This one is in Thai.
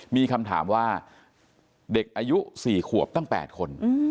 มีคำถามว่าเด็กอายุ๔ขวบตั้ง๘คน